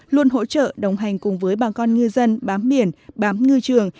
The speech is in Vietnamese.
luôn hỗ trợ đồng hành cùng với bà con ngư dân bám biển bám ngư trường